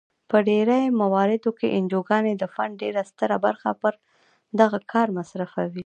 په ډیری مواردو کې انجوګانې د فنډ ډیره ستره برخه پر دغه کار مصرفوي.